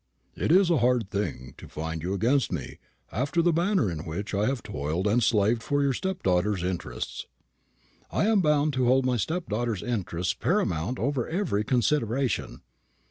"It is a hard thing to find you against me, after the manner in which I have toiled and slaved for your stepdaughter's interests." "I am bound to hold my stepdaughter's interests paramount over every consideration."